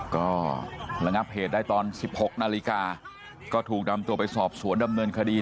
ก็ระงับเหตุได้ตอน๑๖นาฬิกาก็ถูกนำตัวไปสอบสวนดำเนินคดี